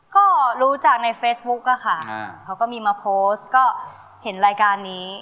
ก็รู้จากในเฟซบุ๊กอะค่ะเขาก็มีมาโพสต์ก็เห็นรายการนี้